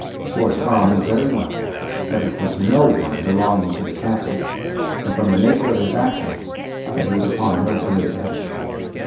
Schwartz Carl knew very well that it was no one belonging to the castle, and, from the nature of his action, that he was upon no good errand.